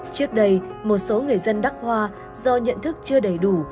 trước đây một số người dân đắc hoa do nhận thức chưa đầy đủ